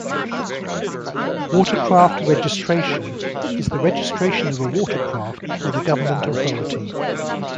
Watercraft registration is the registration of a watercraft with a government authority.